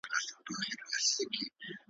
ګنهکار دا ټول ټبر سو